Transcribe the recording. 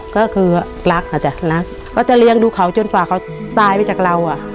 ก็คือรักอ่ะจ้ะรักก็จะเลี้ยงดูเขาจนฝากเขาตายไปจากเราอ่ะ